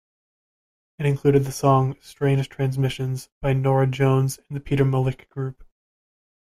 It included the song "Strange Transmissions" by Norah Jones and The Peter Malick Group.